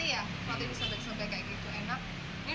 ini udah dari zaman dulu sekali